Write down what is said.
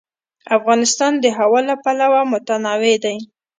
افغانستان د هوا له پلوه متنوع دی.